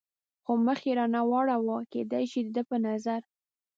خو مخ یې را نه واړاوه، کېدای شي د ده په نظر.